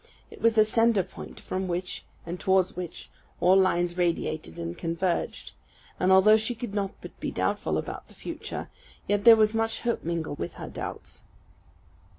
It was the centre point from which and towards which all lines radiated and converged; and although she could not but be doubtful about the future, yet there was much hope mingled with her doubts.